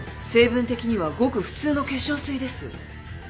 成分的にはごく普通の化粧水です。